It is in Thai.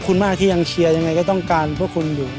หุดขึ้นสุดอย่างไรก็ต้องการพวกคุณอยู่